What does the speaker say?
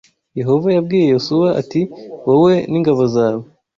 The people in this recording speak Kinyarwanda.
Yehova yabwiye Yosuwa ati wowe n’ingabo zawe